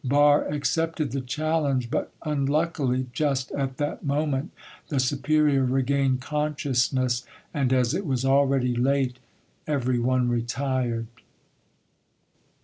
Barre accepted the challenge, but unluckily just at that moment the superior regained consciousness, and as it was already late, everyone retired.